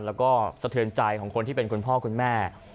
แล้วก็สะเทือนใจของคนที่เป็นคุณพ่อคุณแม่